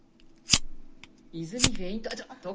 泉フェイント。